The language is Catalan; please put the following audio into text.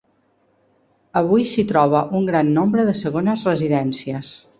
Avui s'hi troba un gran nombre de segones residències.